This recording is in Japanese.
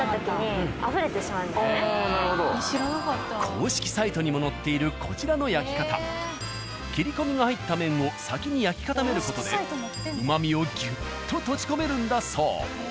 公式サイトにも載っているこちらの焼き方切り込みが入った面を先に焼き固める事でうまみをギュッと閉じ込めるんだそう。